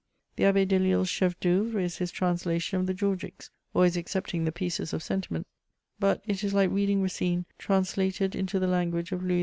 The Abbe D^iUe's chef d^oBUvre is his translation of the Georgics^ always excepting the pieces of sentiment ; but it is like reading Racine translated into the lang^ge of Louis XV.